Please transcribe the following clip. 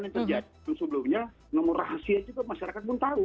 kan itu sebelumnya nomor rahasia juga masyarakat pun tahu